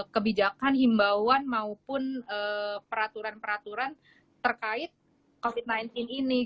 kebijakan himbauan maupun peraturan peraturan terkait covid sembilan belas ini